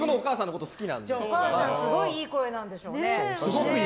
お母さんすごいいい声なんですね。